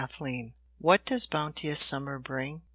SUMMER. What does bounteous summer bring?